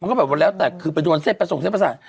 มันก็แบบว่าแล้วแต่คือไปดวนเสพไปส่งเส้นภาษา